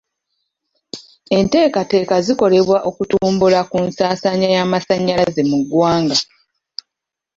Enteekateeka zikolebwa okutumbula ku nsaasaanya y'amasannyalaze mu ggwanga.